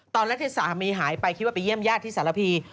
ตอนแรกที่สามีหายไปคิดว่าไปเยี่ยมญาติที่สารพี